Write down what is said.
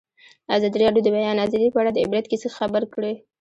ازادي راډیو د د بیان آزادي په اړه د عبرت کیسې خبر کړي.